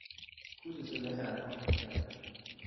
Coup de sonnette à la porte extérieure.